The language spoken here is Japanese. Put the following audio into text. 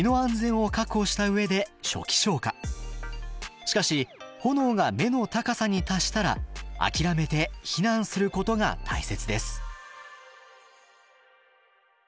しかし炎が目の高さに達したら諦めて避難することが大切です。